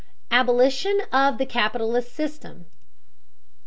ABOLITION OF THE CAPITALIST SYSTEM.